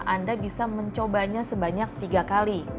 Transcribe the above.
anda bisa mencobanya sebanyak tiga kali